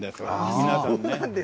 皆さんね。